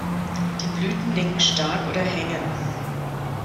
Die Blüten nicken stark oder hängen.